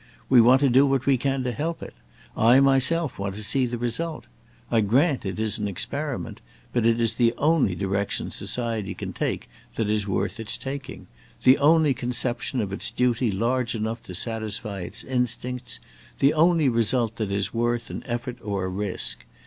We want to do what we can to help it. I myself want to see the result. I grant it is an experiment, but it is the only direction society can take that is worth its taking; the only conception of its duty large enough to satisfy its instincts; the only result that is worth an effort or a risk.